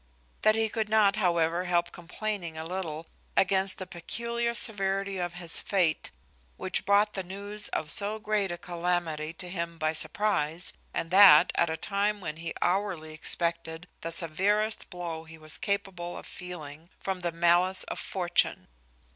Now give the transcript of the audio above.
That he could not, however, help complaining a little against the peculiar severity of his fate, which brought the news of so great a calamity to him by surprize, and that at a time when he hourly expected the severest blow he was capable of feeling from the malice of fortune.